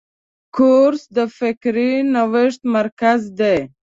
کورس د فکري نوښت مرکز دی.